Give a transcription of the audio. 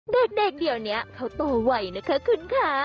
เด็กเดี๋ยวนี้เขาโตไวนะคะคุณค่ะ